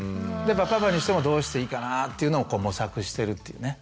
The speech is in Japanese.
パパにしてもどうしていいかなっていうのを模索してるっていうね。